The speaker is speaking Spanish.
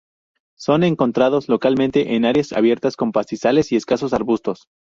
Son encontrados localmente en áreas abiertas con pastizales y escasos arbustos.